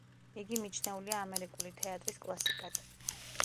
იგი მიჩნეულია ამერიკული თეატრის კლასიკად.